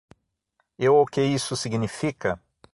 E o que isso significa?